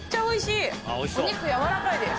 おいしい。